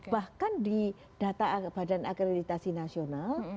bahkan di data badan akreditasi nasional